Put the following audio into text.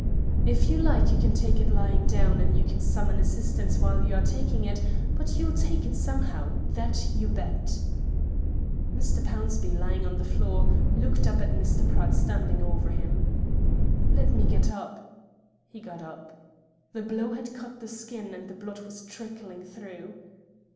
"If you like you can take it lying down, and you can summon assistance while you are taking it; but you'll take it somehow that you bet." Mr. Pownceby, lying on the floor, looked up at Mr. Pratt standing over him. "Let me get up." He got up. The blow had cut the skin, and the blood was trickling through.